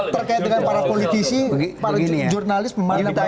terkait dengan para politisi para jurnalis pemanah pemerintah